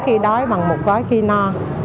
khi đói bằng một gói khi no